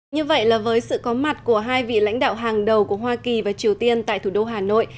như vậy là với sự có mặt của hai vị lãnh đạo hàng đầu của hoa kỳ và triều tiên tại thủ đô hà nội